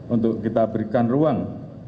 untuk kita berikan ruang